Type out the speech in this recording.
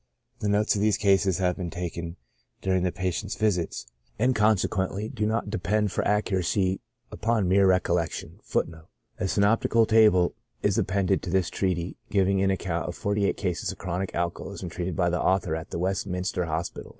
The notes of these cases have been taken during the patient's visits, and consequently do not depend for accuracy upon mere recollection.* * A synoptical table is appended to this treatise, giving an account of forty eight cases of chronic alcoholism treated by the author at the Westminster Hospital.